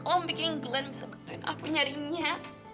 om bikin glenn bisa bantuin aku nyariinnya